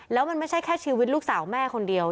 แล้วมันไม่ใช่แค่ชีวิตลูกสาวแม่คนเดียว